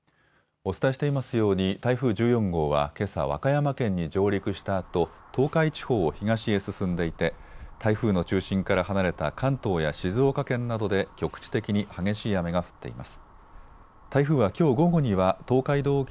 お伝えしていますように台風１４号はけさ、和歌山県に上陸したあと東海地方を東へ進んでいて台風の中心から離れた関東や静岡県などで局地的に激しい雨が降っています。